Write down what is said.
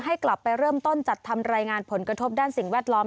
ให้กลับไปเริ่มต้นจัดทำรายงานผลกระทบด้านสิ่งแวดล้อม